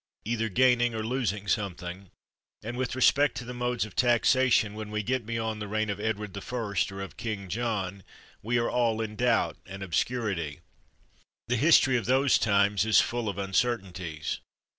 231 THE WORLD'S FAMOUS ORATIONS losing something; and with respect to the modes of taxation, when we get beyond the reign of Edward the First or of King John, we are all in donbt and obscurity. The history of those times is full of uncertainties.